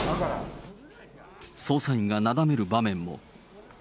捜査員がなだめる場面も。